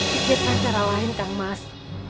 pikirkan cara lain kan mas